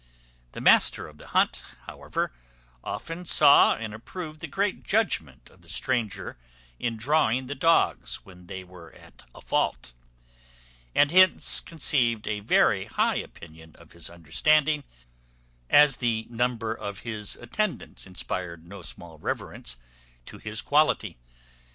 The master of the hunt, however, often saw and approved the great judgment of the stranger in drawing the dogs when they were at a fault, and hence conceived a very high opinion of his understanding, as the number of his attendants inspired no small reverence to his quality.